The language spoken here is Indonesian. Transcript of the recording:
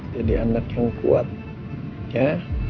jadi anak yang kuat ya